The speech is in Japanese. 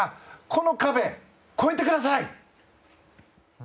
この壁、越えてください！